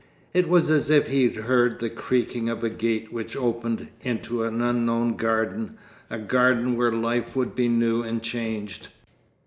It was as if he heard the creaking of a gate which opened into an unknown garden, a garden where life would be new and changed.